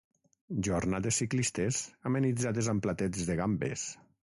Jornades ciclistes amenitzades amb platets de gambes.